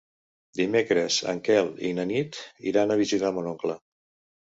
Dimecres en Quel i na Nit iran a visitar mon oncle.